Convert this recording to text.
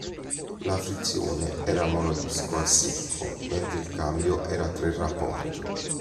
La frizione era monodisco a secco, mentre il cambio era a tre rapporti.